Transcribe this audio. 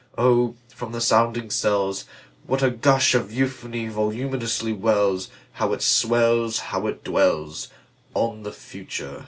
Oh, from out the sounding cells, What a gush of euphony voluminously wells! How it swells! How it dwellsOn the Future!